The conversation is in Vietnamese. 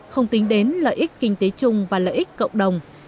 không tính đến lợi ích kinh tế chung và lợi ích cộng đồng